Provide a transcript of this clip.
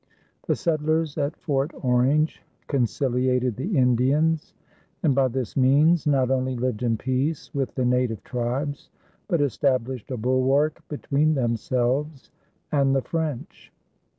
The settlers at Fort Orange conciliated the Indians and by this means not only lived in peace with the native tribes but established a bulwark between themselves and the French.